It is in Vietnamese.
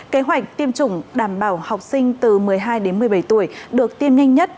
kế hoạch tiêm chủng đảm bảo học sinh từ một mươi hai đến một mươi bảy tuổi được tiên nhanh nhất